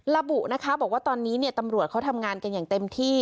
ระบุนะคะบอกว่าตอนนี้ตำรวจเขาทำงานกันอย่างเต็มที่